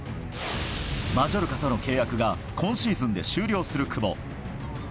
マジョルカとの契約が今シーズンで終了する久保。